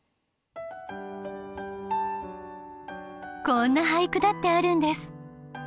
こんな俳句だってあるんです！